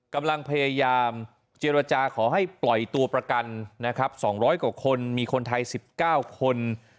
กำลังพยายามเจรจาขอให้ปล่อยตัวประกันนะครับ๒๐๐กว่าคนมีคนไทย๑๙คน